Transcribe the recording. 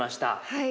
はい。